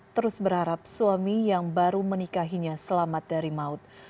terus berharap suami yang baru menikahinya selamat dari maut